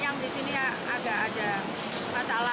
yang di sini agak ada masalah